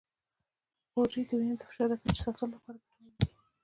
غوړې د وینې د فشار د کچې ساتلو لپاره ګټورې دي.